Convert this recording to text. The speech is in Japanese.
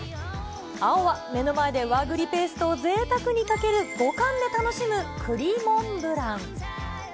青は目の前で和栗ペーストをぜいたくにかける五感で楽しむ栗モンブラン。